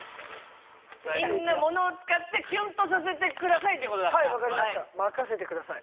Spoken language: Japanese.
みんなモノを使ってキュンとさせてくださいということだからはいわかりました任せてください